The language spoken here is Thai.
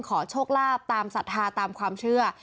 ขอโชคลาภตามศรัทธาตามความเชื่อ